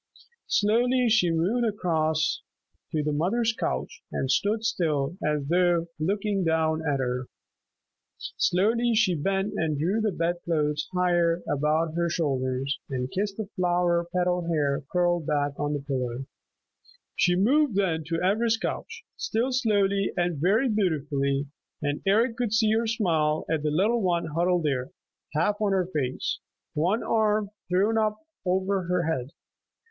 Slowly she moved across to the mother's couch and stood still as though looking down at her. Slowly she bent and drew the bed clothes higher about her shoulders, and kissed the flower petal hair curled back on the pillow. She moved then to Ivra's couch, still slowly and very beautifully, and Eric could see her smile at the little one huddled there, half on her face, one arm thrown up over her head.